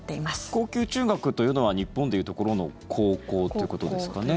高級中学というのは日本でいうところの高校ということですかね？